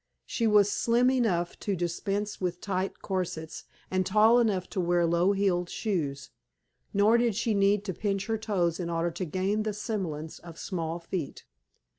She was slim enough to dispense with tight corsets, and tall enough to wear low heeled shoes, nor did she need to pinch her toes in order to gain the semblance of small feet.